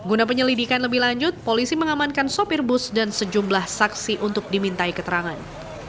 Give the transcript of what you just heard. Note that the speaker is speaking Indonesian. guna penyelidikan lebih lanjut polisi mengamankan sopir bus dan sejumlah saksi untuk dimintai keterangan